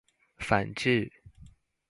反智